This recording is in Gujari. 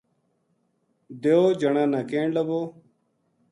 دیو جنا نا کہن لگو